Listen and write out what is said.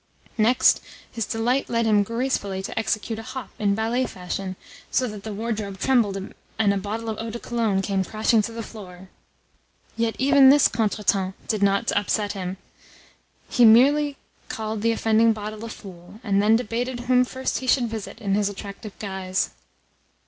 Next, his delight led him gracefully to execute a hop in ballet fashion, so that the wardrobe trembled and a bottle of eau de Cologne came crashing to the floor. Yet even this contretemps did not upset him; he merely called the offending bottle a fool, and then debated whom first he should visit in his attractive guise.